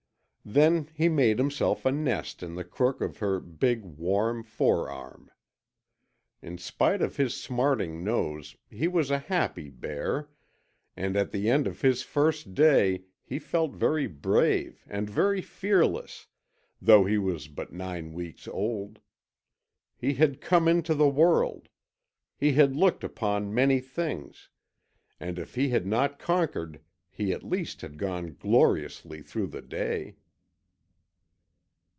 Then he made himself a nest in the crook of her big, warm forearm. In spite of his smarting nose he was a happy bear, and at the end of his first day he felt very brave and very fearless, though he was but nine weeks old. He had come into the world, he had looked upon many things, and if he had not conquered he at least had gone gloriously through the day.